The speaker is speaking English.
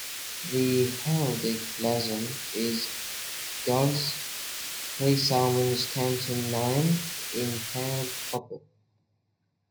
The heraldic blazon is: "Gules, three salmons counter-naiant in pale proper".